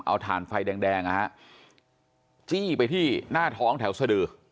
เอาถ่านไฟแดงนะฮะจี้ไปที่หน้าท้องแถวสดือ